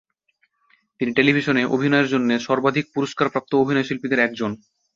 তিনি টেলিভিশনে অভিনয়ের জন্য সর্বাধিক পুরস্কারপ্রাপ্ত অভিনয়শিল্পীদের একজন।